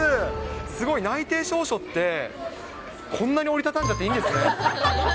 すごい、内定証書って、こんなに折り畳んじゃっていいんですね？